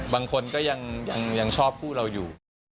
บางคนก็ยังชอบคู่เราอยู่